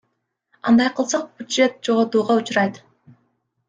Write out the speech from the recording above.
Андай кылсак бюджет жоготууга учурайт.